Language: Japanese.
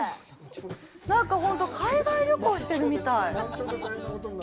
なんか、ほんと海外旅行してるみたい。